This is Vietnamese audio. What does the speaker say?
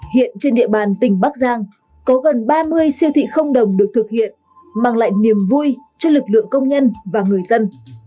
hiện trên địa bàn tỉnh bắc giang có gần ba mươi siêu thị không đồng được thực hiện mang lại niềm vui cho lực lượng công nhân và người dân